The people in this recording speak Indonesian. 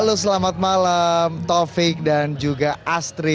halo selamat malam taufik dan juga astri